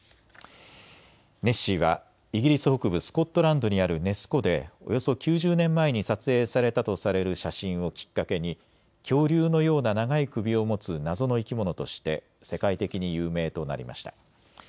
ネッシーはイギリス北部スコットランドにあるネス湖でおよそ９０年前に撮影されたとされる写真をきっかけに恐竜のような長い首を持つ謎の生き物として世界的に有名となりました。